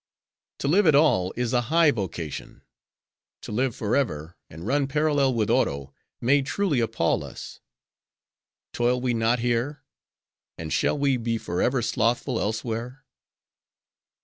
To live at all, is a high vocation; to live forever, and run parallel with Oro, may truly appall us. Toil we not here? and shall we be forever slothful elsewhere?